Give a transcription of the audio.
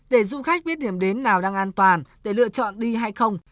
để du khách biết điểm đến nào đang an toàn để lựa chọn đi hay không